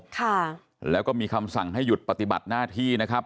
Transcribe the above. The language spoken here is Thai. ค่ะแล้วก็มีคำสั่งให้หยุดปฏิบัติหน้าที่นะครับ